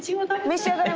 召し上がれ！」